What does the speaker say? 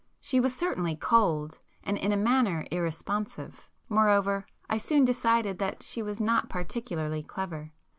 She was certainly cold, and in a manner irresponsive,—moreover I soon decided that she was not particularly clever.